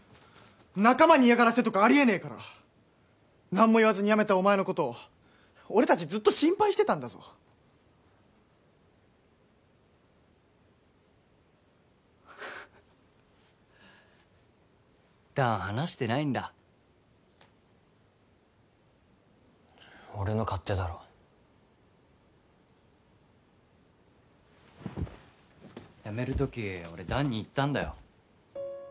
仲間に嫌がらせとかありえねえから何も言わずにやめたお前のことを俺達ずっと心配してたんだぞ弾話してないんだ俺の勝手だろやめる時俺弾に言ったんだよ